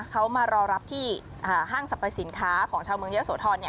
เขามารอรับที่ห้างสรรพสินค้าของชาวเมืองเยอะโสธร